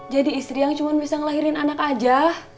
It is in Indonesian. jadi istri yang cuma bisa ngelahirin anak aja